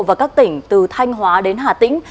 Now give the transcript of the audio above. và các tỉnh từ thanh hóa đến hà tĩnh